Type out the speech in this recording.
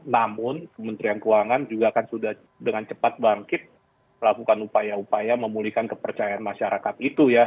namun kementerian keuangan juga kan sudah dengan cepat bangkit melakukan upaya upaya memulihkan kepercayaan masyarakat itu ya